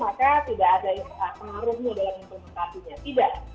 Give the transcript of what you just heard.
maka tidak ada pengaruhnya dalam implementasinya tidak